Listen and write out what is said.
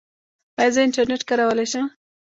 ایا زه انټرنیټ کارولی شم؟